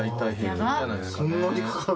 そんなにかかる？